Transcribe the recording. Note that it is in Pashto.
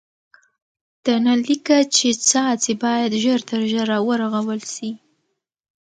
د نل لیکه چي څاڅي باید ژر تر ژره ورغول سي.